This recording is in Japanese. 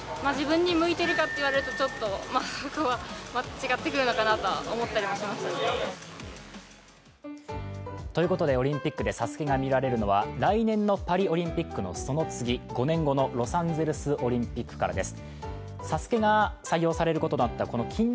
苦しめられたのは、やはりオリンピックで「ＳＡＳＵＫＥ」が見られるのは来年のパリオリンピックのその次、５年後のロサンゼルスオリンピックからです。